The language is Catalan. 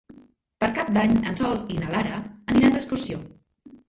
Per Cap d'Any en Sol i na Lara aniran d'excursió.